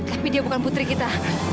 tapi dia bukan putri kita